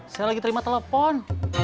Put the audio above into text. saya lagi terima telepon